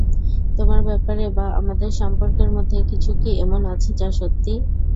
তোমার ব্যাপারে বা আমাদের সম্পর্কের মধ্যে কিছু কি এমন আছে যা সত্যি?